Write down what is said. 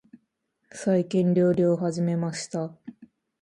最近、料理を始めました。